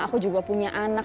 aku juga punya anak